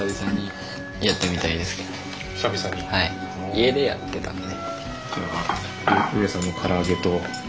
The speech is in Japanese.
家でやってたので。